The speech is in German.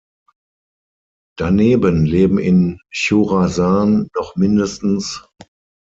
Daneben leben in Chorasan noch mind.